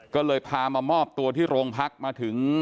ก็เลยพามามอบตัวที่โรงพักมาถึง